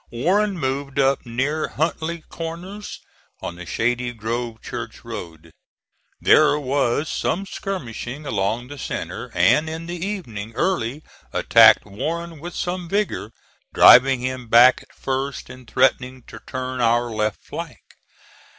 Warren moved up near Huntley Corners on the Shady Grove Church Road. There was some skirmishing along the centre, and in the evening Early attacked Warren with some vigor, driving him back at first, and threatening to turn our left flank.